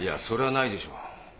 それはないでしょう。